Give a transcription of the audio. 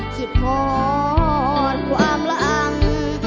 คิดพอดความละอัง